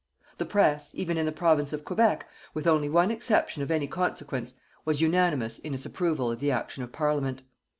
The press, even in the Province of Quebec, with only one exception of any consequence, was unanimous in its approval of the action of Parliament.